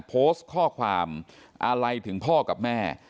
โพสต์ข้อความอาลัยถึงพ่อกับแม่